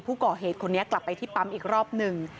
ผู้ก่อเหตุคนนี้กลับไปที่ปั๊มอีกรอบหนึ่ง